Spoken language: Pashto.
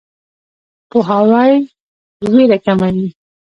پوهاوی ویره کموي.